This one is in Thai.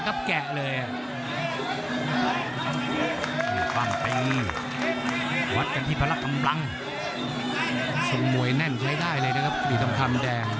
ขึ้นไว้ซ้ายติดแขน